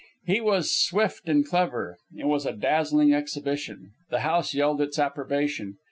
He was swift and clever. It was a dazzling exhibition. The house yelled its approbation.